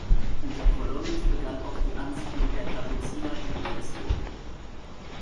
Unter Kollonitsch begann auch die Ansiedlung der Kapuziner in Pressburg.